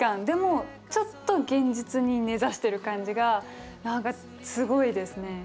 でもちょっと現実に根ざしてる感じが何かすごいですね。